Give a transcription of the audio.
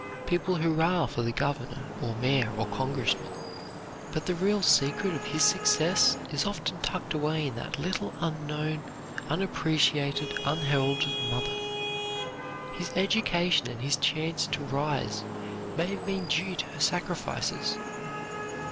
People hurrah for the governor, or mayor, or congressman, but the real secret of his success is often tucked away in that little unknown, unappreciated, unheralded mother. His education and his chance to rise may have been due to her sacrifices.